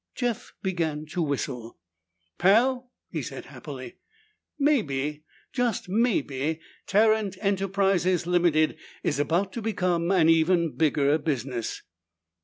Jeff began to whistle. "Pal," he said happily, "maybe, just maybe, Tarrant Enterprises, Ltd., is about to become an even bigger business!"